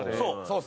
「そう！」